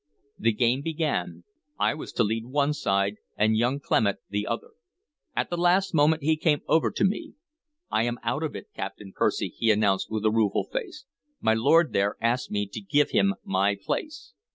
The game began. I was to lead one side, and young Clement the other. At the last moment he came over to me. "I am out of it, Captain Percy," he announced with a rueful face. "My lord there asks me to give him my place.